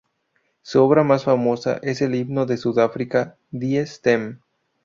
Su obra más famosa es el himno de Sudáfrica "Die Stem".